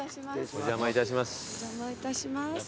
お邪魔いたします。